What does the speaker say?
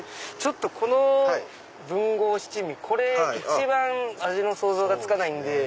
この文豪七味これ一番味の想像がつかないんで。